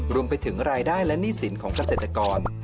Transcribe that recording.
รวมไปถึงรายได้และหนี้สินของเกษตรกร